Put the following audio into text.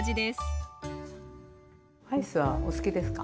アイスはお好きですか？